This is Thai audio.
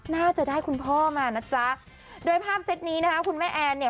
น่าจะได้คุณพ่อมานะจ๊ะโดยภาพเซตนี้นะคะคุณแม่แอนเนี่ย